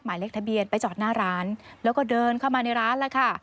หมายเลขทะเบียนไปจอดหน้าร้านแล้วก็เดินเข้ามาในร้านแล้วค่ะ